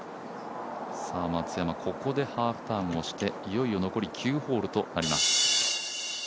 松山、ここでハーフターンをしていよいよ残り９ホールとなります。